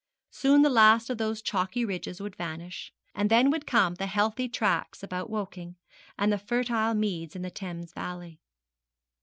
Soon the last of those chalky ridges would vanish, and then would come the heathy tracts about Woking, and the fertile meads in the Thames valley.